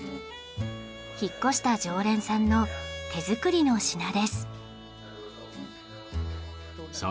引っ越した常連さんの手作りの品です。